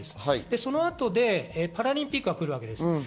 そのあとでパラリンピックが来るわけです。